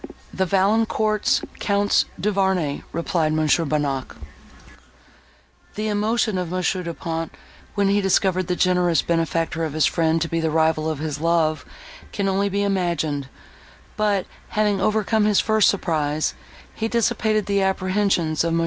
"The Valancourts, Counts Duvarney," replied Mons. Bonnac. The emotion of Mons. Du Pont, when he discovered the generous benefactor of his friend to be the rival of his love, can only be imagined; but, having overcome his first surprise, he dissipated the apprehensions of Mons.